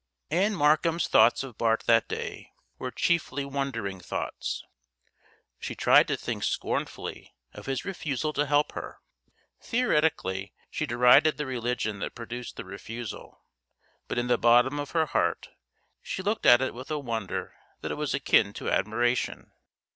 Ann Markham's thoughts of Bart that day were chiefly wondering thoughts. She tried to think scornfully of his refusal to help her; theoretically she derided the religion that produced the refusal, but in the bottom of her heart she looked at it with a wonder that was akin to admiration.